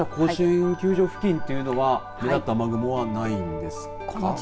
今はじゃあ甲子園球場付近というのは目立った雨雲はないんですか。